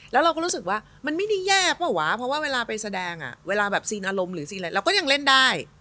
แล้วเราก็รู้สึกว่ามันไม่ได้แยกเหรอวะเพราะว่าเวลาไปแสดงอะเวลาแบบซีนอารมณ์เราก็ยังเล่นได้